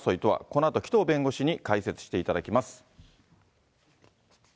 このあと、紀藤弁護士に解説していただきます。